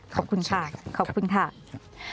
ขอบคุณค่ะขอบคุณค่ะครับครับครับ